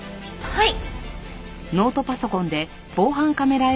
はい！